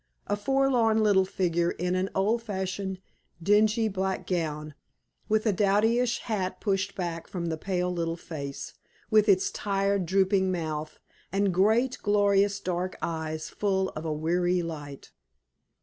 A forlorn little figure in an old fashioned, dingy black gown, with a dowdyish hat pushed back from the pale little face, with its tired, drooping mouth, and great, glorious dark eyes full of a weary light.